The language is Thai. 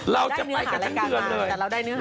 เราจะไปกันทั้งเดือนเลย